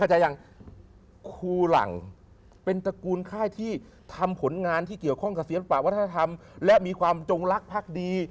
เข้าใจยังครูหลังเป็นตระกูลค่ายที่ทำผลงานที่เกี่ยวข้องกับเสียงภาควัฒนธรรมและมีความจงลักษณ์พรรคดี